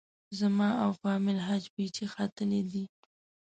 زما او فامیل حج پچې ختلې دي.